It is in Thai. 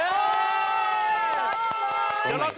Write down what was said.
เดี๋ยวเราติดตามได้เพลงใหม่